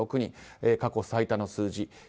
過去最多の数字。